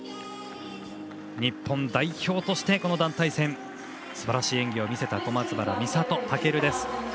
日本代表として団体戦ですばらしい演技を見せた小松原美里、尊です。